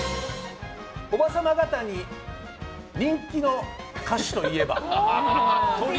おばさま方に人気の歌手といえば。